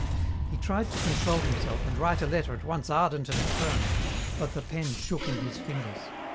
He tried to control himself and write a letter at once ardent and firm, but the pen shook in his fingers.